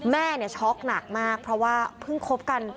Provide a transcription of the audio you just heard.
แม่ช็อกหนักมากเพราะว่าเพิ่งคบกัน